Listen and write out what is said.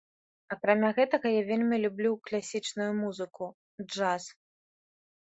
Акрамя гэтага я вельмі люблю класічную музыку, джаз.